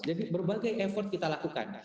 jadi berbagai effort kita lakukan